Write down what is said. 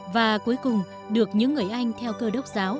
và cuối cùng được những người anh theo cơ đốc giáo